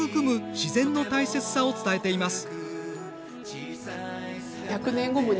自然の大切さを伝えています。